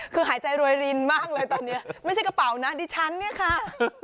คือหายใจรวยรินมากเลยตอนนี้ไม่ใช่กระเป๋านะดิฉันเนี่ยค่ะ